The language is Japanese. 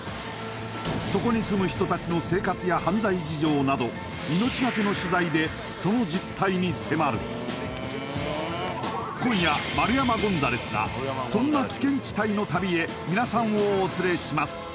そこに住む人たちの生活や犯罪事情など命がけの取材でその実態に迫る今夜丸山ゴンザレスがそんな危険地帯の旅へ皆さんをお連れします